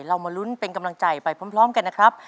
มาลุ้นเป็นกำลังใจไปพร้อมกันนะครับ